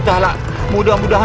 terima kasih allah